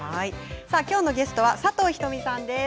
きょうのゲストは佐藤仁美さんです。